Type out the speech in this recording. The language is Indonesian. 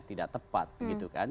tidak tepat gitu kan